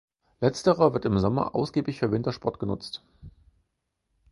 Letzterer wird im Sommer ausgiebig für Wassersport genutzt.